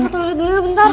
lo ketawa liat dulu bentar